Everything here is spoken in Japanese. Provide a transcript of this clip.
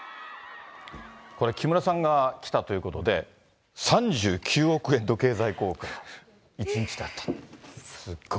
これ、木村さんが来たということで、３９億円の経済効果、１日であったと。